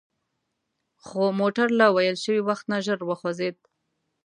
خو موټر له ویل شوي وخت نه ژر وخوځید.